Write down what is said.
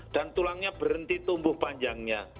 dan tulangnya berhenti tumbuh panjangnya